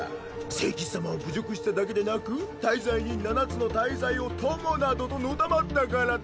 聖騎士様を侮辱しただけでなく大罪人七つの大罪を友などとのたまったからだ。